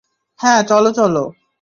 হ্যাঁ, চলো চলো।